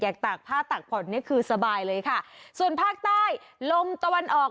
ตากผ้าตากผ่อนเนี้ยคือสบายเลยค่ะส่วนภาคใต้ลมตะวันออก